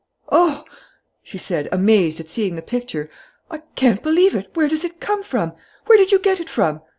"Oh!" she said, amazed at seeing the picture. "I can't believe it! Where does it come from? Where did you get it from?"